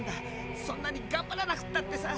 そんなにがんばらなくったってさ。